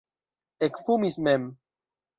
Ekfumis mem.